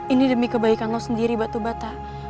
ini demi kebaikan lo sendiri batu bata